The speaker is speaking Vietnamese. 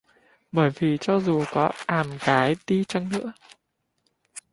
Bởi vì cho dù có àm gái đi chăng nữa